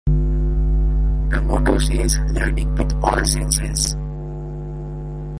The motto says: “learning with all senses”.